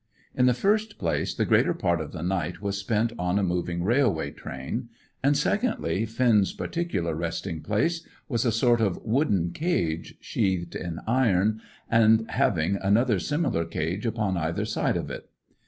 In the first place, the greater part of the night was spent on a moving railway train; and, secondly, Finn's particular resting place was a sort of wooden cage, sheathed in iron, and having another similar cage upon either side of it.